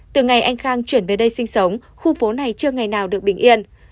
từ ngày anh khang chuyển về đây sinh sống khu phố này chưa ngày nào được bình yên